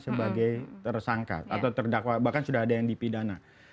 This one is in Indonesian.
sebagai tersangka atau terdakwa bahkan sudah ada yang dipidana